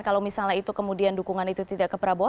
kalau misalnya itu kemudian dukungan itu tidak ke prabowo